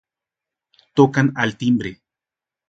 Tocan al timbre.